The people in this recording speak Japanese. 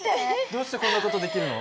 どうしてこんな事できるの？